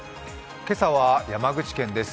今朝は山口県です。